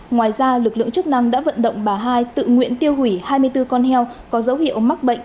ngoài ra lực lượng chức năng đã vận động bà hai tự nguyện tiêu hủy hai mươi bốn con heo có dấu hiệu mắc bệnh